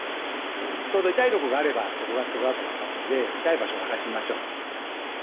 ちょうど痛いとこがあればそこがツボだと思いますので痛い場所を探してみましょう。